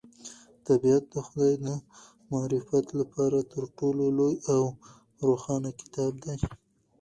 طبیعت د خدای د معرفت لپاره تر ټولو لوی او روښانه کتاب دی.